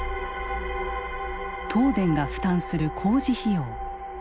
東電が負担する工事費用。